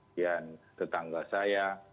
dan tetangga saya